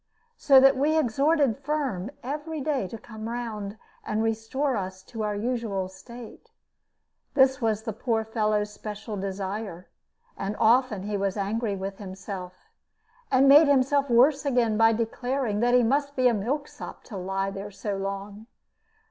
So that we exhorted Firm every day to come round and restore us to our usual state. This was the poor fellow's special desire; and often he was angry with himself, and made himself worse again by declaring that he must be a milksop to lie there so long.